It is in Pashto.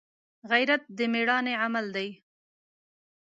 غیرت د مړانې عمل دی